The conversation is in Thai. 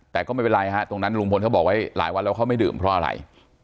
แต่ก็ไม่เป็นไรฮะตรงนั้นลุงพลเขาบอกไว้หลายวันแล้วเขาไม่ดื่มเพราะอะไร